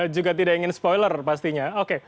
juga tidak ingin spoiler pastinya